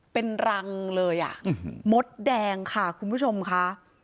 เป็นรังเลยอ่ะมดแดงค่ะคุณผู้ชมค่ะ